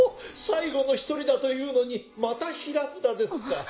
最後の１人だというのにまた平札ですか。